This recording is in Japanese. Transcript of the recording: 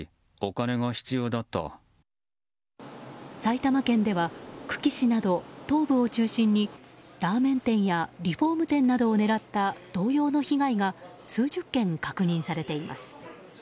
埼玉県では久喜市など東部を中心にラーメン店やリフォーム店などを狙った同様の被害が数十件確認されています。